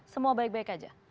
semua baik baik saja